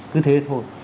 cứ thế thôi